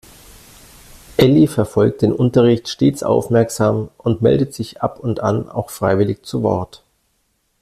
Elli verfolgt den Unterricht stets aufmerksam und meldet sich ab und an auch freiwillig zu Wort.